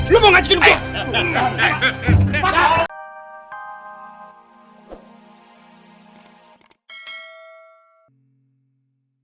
lo mau ngajakin gue